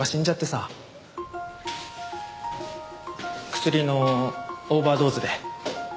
クスリのオーバードーズで。